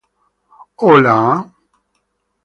Hola.